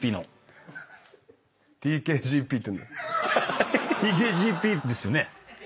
ＴＫＧＰですよね？